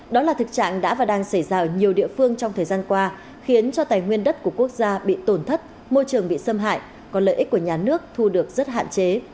đó là thực trạng đã và đang xảy ra ở nhiều địa phương trong thời gian qua khiến cho tài nguyên đất của quốc gia bị tổn thất môi trường bị xâm hại có lợi ích của nhà nước thu được rất hạn chế